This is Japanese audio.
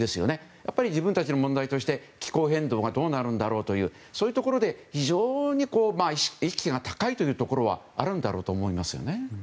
やっぱり自分たちの問題として気候変動がどうなるとかそういうところで非常に意識が高いというところはあるんだろうと思いますよね。